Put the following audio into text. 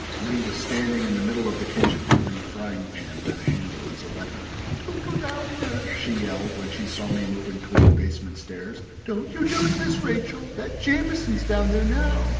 Liddy was standing in the middle of the kitchen, holding a frying pan by the handle as a weapon. "Don't go down there," she yelled, when she saw me moving toward the basement stairs. "Don't you do it, Miss Rachel. That Jamieson's down there now.